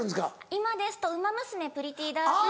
今ですと『ウマ娘プリティーダービー』。